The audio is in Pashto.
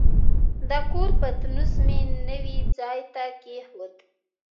د کور پتنوس مې نوي ځای ته کېښود.